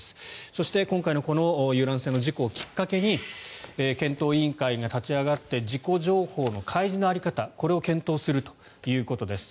そして、今回の遊覧船の事故をきっかけに検討委員会が立ち上がって事故情報の開示の在り方これを検討するということです。